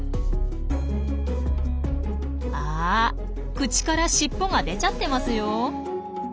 あ口から尻尾が出ちゃってますよ。